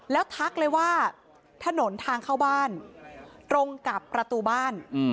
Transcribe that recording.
แล้วทักเลยว่าถนนทางเข้าบ้านตรงกับประตูบ้าน